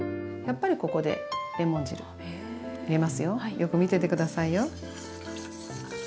よく見てて下さいよ。